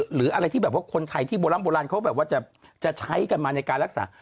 หรืออะไรที่แบบว่าคนไทยที่โบร่ำโบราณเขาแบบว่าจะใช้กันมาในการรักษา